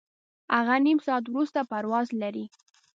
هغه نیم ساعت وروسته پرواز لري.